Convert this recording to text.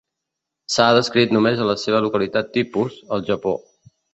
S'ha descrit només a la seva localitat tipus, al Japó.